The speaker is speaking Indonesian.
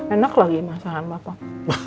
enak lagi masalahnya bapak